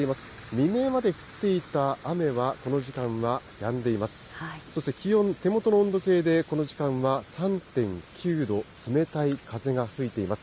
未明まで降っていた雨は、この時間はやんでいます。